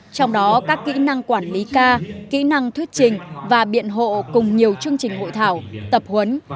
trong đó các kỹ năng quản lý ca kỹ năng thuyết trình và biện hộ cùng nhiều chương trình hội thảo tập huấn